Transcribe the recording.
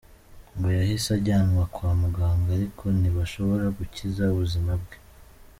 Ngo yahise ajyanwa kwa muganga ariko ntibashobora gukiza ubuzima bwe.